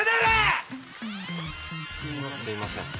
すいません。